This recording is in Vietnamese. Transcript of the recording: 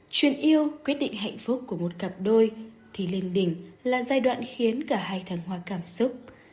truyền yêu quyết định hạnh phúc của một cặp đôi thì lên đỉnh là giai đoạn khiến cả hai thăng hoa cảm xúc